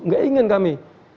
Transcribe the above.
gak ingin kami